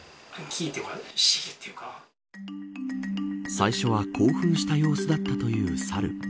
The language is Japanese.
最初は興奮した様子だったという猿。